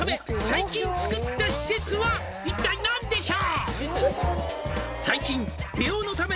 「最近作った施設は一体何でしょう？」